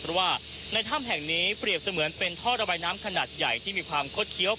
เพราะว่าในถ้ำแห่งนี้เปรียบเสมือนเป็นท่อระบายน้ำขนาดใหญ่ที่มีความคดเคี้ยว